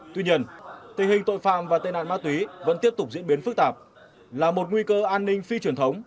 tuy nhiên tình hình tội phạm và tên nạn ma túy vẫn tiếp tục diễn biến phức tạp là một nguy cơ an ninh phi truyền thống